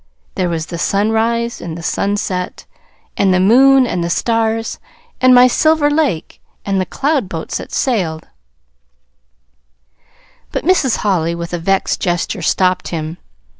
There was the sunrise, and the sunset, and the moon and the stars, and my Silver Lake, and the cloud boats that sailed " But Mrs. Holly, with a vexed gesture, stopped him.